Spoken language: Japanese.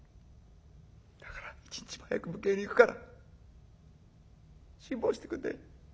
だから一日も早く迎えに行くから辛抱してくんねえ。